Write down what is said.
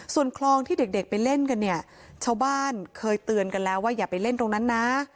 ส่วนคลองที่เด็กไปเล่นกันเนี่ยชาวบ้านเคยเตือนกันแล้วว่าอย่าไปเล่นตรงนั้นนะ